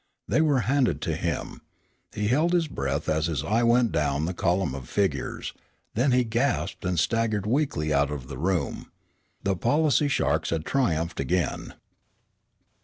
They were handed to him. He held his breath as his eye went down the column of figures. Then he gasped and staggered weakly out of the room. The policy sharks had triumphed again.